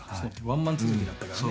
ワンマン続きだったから。